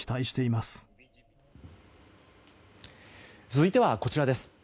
続いてはこちらです。